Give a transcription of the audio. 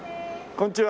こんにちは。